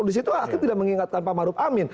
di situ hakim tidak mengingatkan pamarup amin